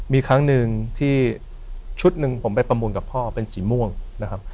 มีครั้งหนึ่งที่ชุดหนึ่งผมไปประมูลกับพ่อเป็นสีม่วงนะครับ